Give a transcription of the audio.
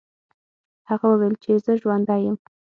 هغه وویل چې زه ژوندی یم.